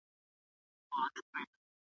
د هر خره به ورته جوړه وي لغته .